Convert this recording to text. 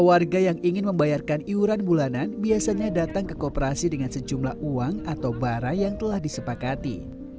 warga yang ingin membayarkan iuran bulanan biasanya datang ke kooperasi dengan sejumlah uang atau bara yang telah disepakati